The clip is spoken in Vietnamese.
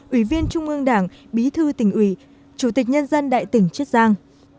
ủy viên trung ương đảng bí thư tỉnh ủy chủ tịch nhân dân đại tỉnh chiết giang